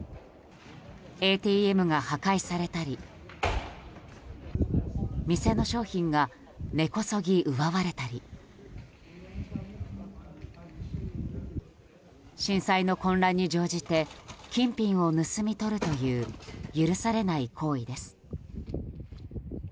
ＡＴＭが破壊されたり店の商品が根こそぎ奪われたり震災の混乱に乗じて金品を盗み取るという許されない行為です。